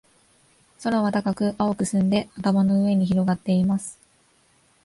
空は高く、青く澄んで、頭の上に広がっています。